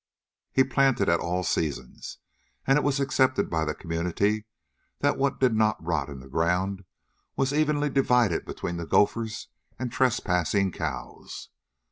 He planted at all seasons, and it was accepted by the community that what did not rot in the ground was evenly divided between the gophers and trespassing cows.